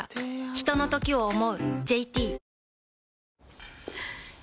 ひとのときを、想う。